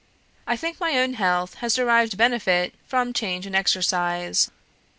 I think my own health has derived benefit from change and exercise.